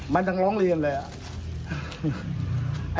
มันยังร้องเรียนเลยอ่ะ